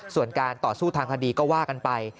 ส่วนการต่อสู้ทางคดีก็ว่ากันไป